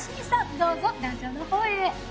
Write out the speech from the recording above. どうぞ壇上のほうへ。